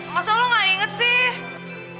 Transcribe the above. masa lo gak inget sih